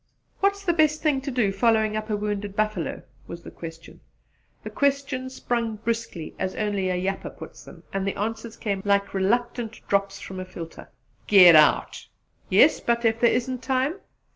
"What's the best thing to do following up a wounded buffalo?" was the question. The questions sprung briskly, as only a 'yapper' puts them; and the answers came like reluctant drops from a filter. "Git out!" "Yes, but if there isn't time?"